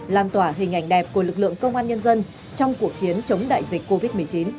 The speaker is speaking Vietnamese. lan tỏa hình ảnh đẹp của lực lượng công an nhân dân trong cuộc chiến chống đại dịch covid một mươi chín